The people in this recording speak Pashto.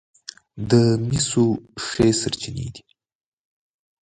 د مسو ښې سرچینې دي.